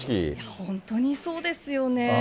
本当にそうですよね。